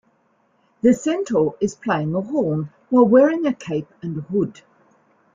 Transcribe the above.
The centaur is playing a horn while wearing a cape and a hood.